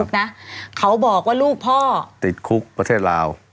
นะเขาบอกว่าลูกพ่อติดคุกประเทศลาว